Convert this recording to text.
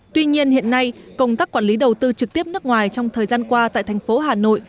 tuy nhiên hiện nay công tác quản lý đầu tư trực tiếp nước ngoài trong thời gian qua tại thành phố hà nội